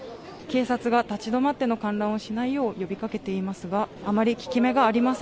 警察が立ち止まっての観覧をしないよう呼びかけていますが、